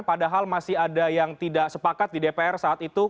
padahal masih ada yang tidak sepakat di dpr saat itu